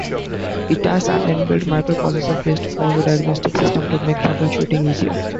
It has an inbuilt microprocessor based fault diagnostic system to make trouble shooting easier.